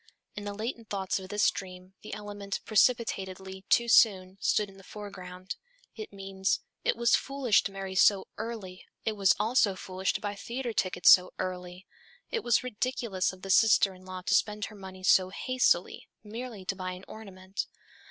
In the latent thoughts of this dream, the element "precipitately, too soon," stood in the foreground. It means: "It was foolish to marry so early, it was also foolish to buy theatre tickets so early, it was ridiculous of the sister in law to spend her money so hastily, merely to buy an ornament."